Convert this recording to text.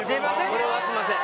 これはすみません。